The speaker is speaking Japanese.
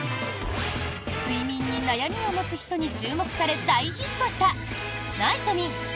睡眠に悩みを持つ人に注目され大ヒットしたナイトミン